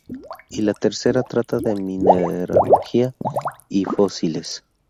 Y la tercera trata de mineralogía y fósiles.